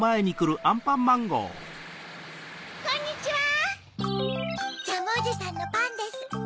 ・こんにちは・ジャムおじさんのパンです。